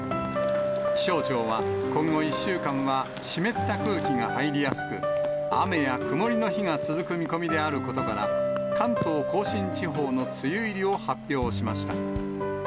気象庁は今後１週間は、湿った空気が入りやすく、雨や曇りの日が続く見込みであることから、関東甲信地方の梅雨入りを発表しました。